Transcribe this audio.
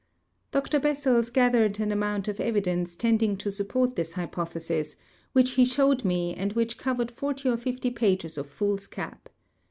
Dr Bessels gathered an amount of evidence tending to support this hypothesis, which he showed me and which covered forty or fifty pages of foolscap.